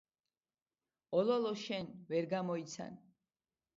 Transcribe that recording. ოლოლო შენ, ვერ გამოიცან